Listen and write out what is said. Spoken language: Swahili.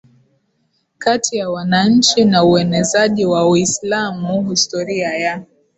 kati ya wananchi na uenezaji wa Uislamu Historia ya